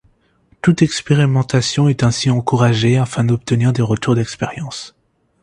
Toute expérimentation est ainsi encouragée afin d'obtenir des retours d'expérience.